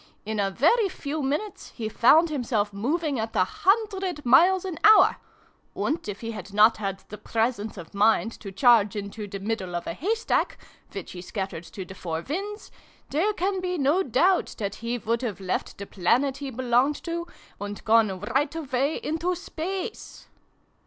In a very few minutes he found himself moving at a hundred miles an hour ! And, if he had not had the presence of mind to charge into the middle of a haystack (which he scattered to the four winds) there can be no doubt that he would have left the Planet he belonged to, and gone right away into Space